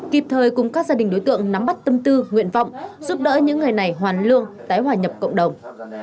kịp thời cùng các gia đình đối tượng nắm bắt tâm tư nguyện vọng giúp đỡ những người này hoàn lương tái hòa nhập cộng đồng